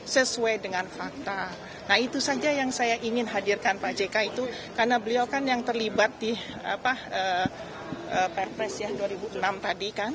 sesuai dengan fakta nah itu saja yang saya ingin hadirkan pak jk itu karena beliau kan yang terlibat di perpres ya dua ribu enam tadi kan